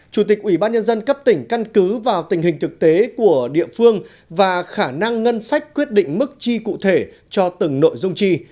chủ tịch ủy ban nhân dân cấp tỉnh căn cứ vào tình hình thực tế của địa phương và khả năng ngân sách quyết định mức chi cụ thể cho từng nội dung chi